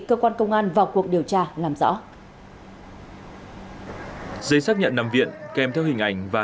cơ quan công an vào cuộc điều tra làm rõ giấy xác nhận nằm viện kèm theo hình ảnh và